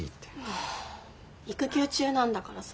もう育休中なんだからさ。